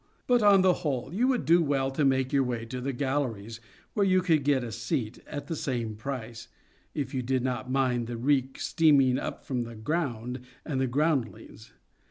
But on the whole you would do well to make your way into the galleries, where you could get a seat at the same price, if you did not mind the reek steaming up from the " ground " and groundlings.